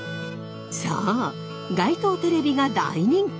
そう街頭テレビが大人気。